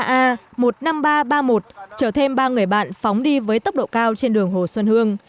ba a một mươi năm nghìn ba trăm ba mươi một chở thêm ba người bạn phóng đi với tốc độ cao trên đường hồ xuân hương